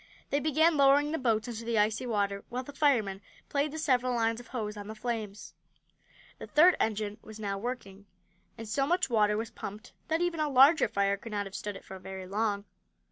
They began lowering the boats into the icy water, while the firemen played the several lines of hose on the flames. The third engine was now working, and so much water was pumped that even a larger fire could not have stood it for very long.